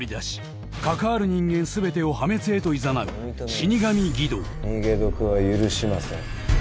死神儀藤逃げ得は許しません。